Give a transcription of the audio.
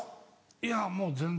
いやもう全然。